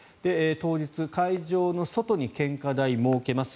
当日会場の外に献花台を設けます。